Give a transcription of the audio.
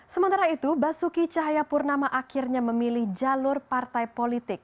sementara itu basuki cahayapurnama akhirnya memilih jalur partai politik